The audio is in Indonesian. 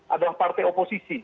adalah partai oposisi